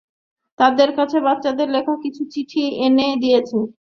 তাদের কাছে বাচ্চাদের লেখা কিছু চিঠি এনে দিয়েছি।